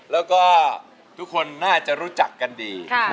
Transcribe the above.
แล้วก็ทุกคนน่าจะรู้จักกันดี